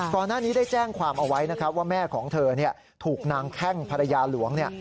ก่อนหน้านี้ได้แจ้งความเอาไว้นะครับว่าแม่ของเธอถูกนางแข้งภรรยาหลวงเนี่ย